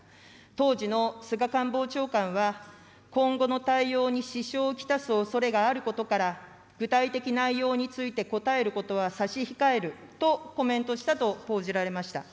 当時の菅官房長官は、今後の対応に支障を来すおそれがあることから、具体的内容について答えることは差し控えるとコメントしたと報じられました。